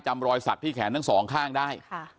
จำรอยศักดิ์ที่แขนทั้ง๒ข้างได้